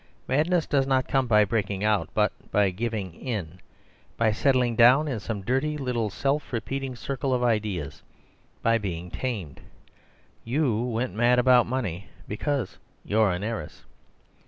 "Madness does not come by breaking out, but by giving in; by settling down in some dirty, little, self repeating circle of ideas; by being tamed. YOU went mad about money, because you're an heiress."